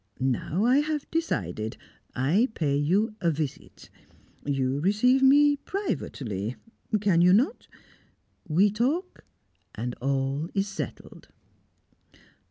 Now I have decided. I pay you a visit; you receive me privately can you not? We talk, and all is settled!"